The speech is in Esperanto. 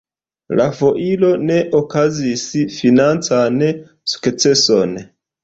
La foiro ne okazigis financan sukceson.